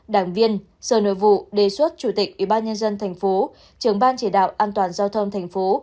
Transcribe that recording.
đảng viên sở nội vụ đề xuất chủ tịch ủy ban nhân dân thành phố trưởng ban chỉ đạo an toàn giao thông thành phố